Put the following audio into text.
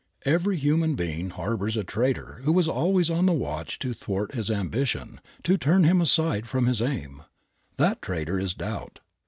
Every human being harbors a traitor who is always on the watch to thwart his ambition, to turn him aside from his aim. That traitor is doubt.